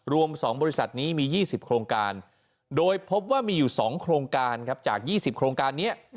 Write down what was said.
รวม๒บริษัทนี้มี๒๐โครงการโดยพบว่ามีอยู่๒โครงการครับจาก๒๐โครงการนี้